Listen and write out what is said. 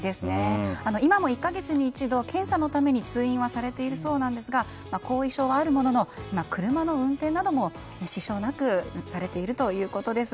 今も１か月に一度検査のために通院はされているそうですが後遺症はあるものの車の運転なども支障なくされているということです。